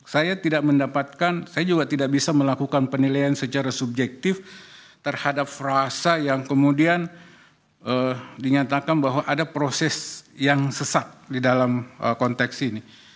saya tidak mendapatkan saya juga tidak bisa melakukan penilaian secara subjektif terhadap frasa yang kemudian dinyatakan bahwa ada proses yang sesak di dalam konteks ini